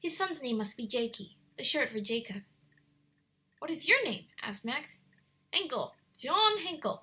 His son's name must be Jakey; the short for Jacob." "What is your name?" asked Max. "Hencle Shon Hencle.